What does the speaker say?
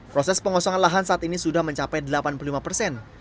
proses pengosongan lahan saat ini sudah mencapai delapan puluh lima persen